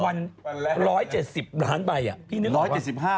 วัน๑๗๐ล้านใบอ่ะ